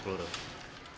getar pak kaki